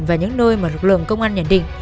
và những nơi mà lực lượng công an nhận định